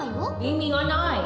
意味がない？